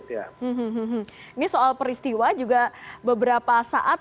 ini soal peristiwa juga beberapa saat